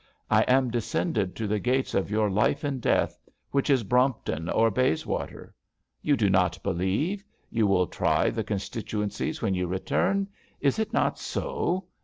I am descended to the gates of your Life in Death. Which is Brompton or Bays water. You do not believe? You will try the con stituencies when you return; is it not so?